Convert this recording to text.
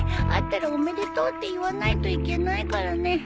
会ったらおめでとうって言わないといけないからね。